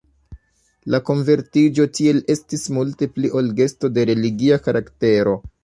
La konvertiĝo tiel estis multe pli ol gesto de religia karaktero.